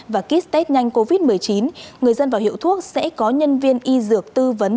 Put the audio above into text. và kit test nhanh covid một mươi chín người dân vào hiệu thuốc sẽ có nhân viên y dược tư vấn